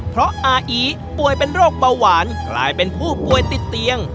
เพราะอาอีป่วยเป็นโรคเบาหวานกลายเป็นผู้ป่วยติดเตียง